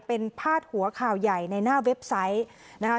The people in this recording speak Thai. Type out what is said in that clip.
เป็นพาดหัวข่าวใหญ่ในหน้าเว็บไซต์นะคะ